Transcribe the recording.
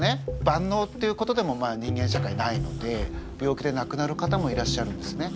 ばんのうっていうことでも人間社会ないので病気でなくなる方もいらっしゃるんですね。